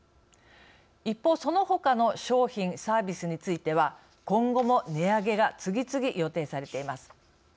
一方そのほかの商品・サービスについては今後も値上げが次々予定されています。